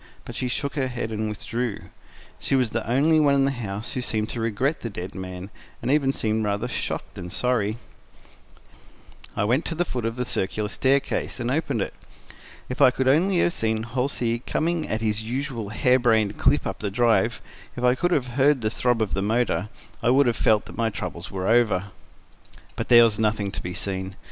But she shook her head and withdrew: she was the only one in the house who seemed to regret the dead man, and even she seemed rather shocked than sorry. I went to the door at the foot of the circular staircase and opened it. If I could only have seen Halsey coming at his usual hare brained clip up the drive, if I could have heard the throb of the motor, I would have felt that my troubles were over. But there was nothing to be seen.